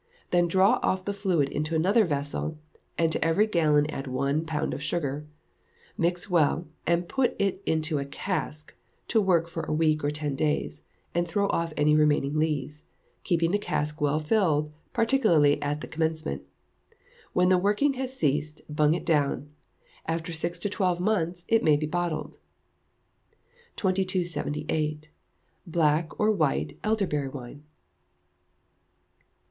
Then draw off the fluid into another vessel, and to every gallon add one pound of sugar; mix well, and put it into a cask, to work for a week or ten days, and throw off any remaining lees, keeping the cask well filled, particularly at the commencement. When the working has ceased, bung it down; after six to twelve months it may be bottled. 2278. Black or White Elderberry Wine.